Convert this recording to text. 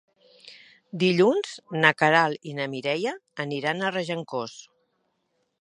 Dilluns na Queralt i na Mireia aniran a Regencós.